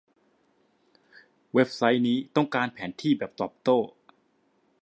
เว็บไซต์นี้ต้องการแผนที่แบบตอบโต้